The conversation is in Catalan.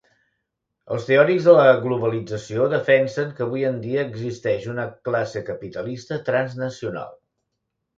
Els teòrics de la globalització defensen que avui en dia existeix una classe capitalista transnacional.